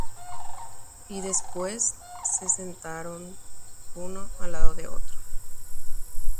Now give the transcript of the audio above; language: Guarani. ha upéi oguapypaite ojoykére